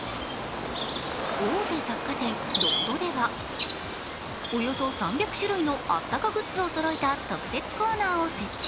大手雑貨店・ロフトではおよそ３００種類のあったかグッズをそろえた、特設コーナーを設置。